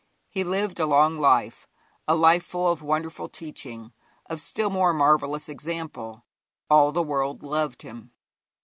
He lived a long life, a life full of wonderful teaching, of still more marvellous example. All the world loved him.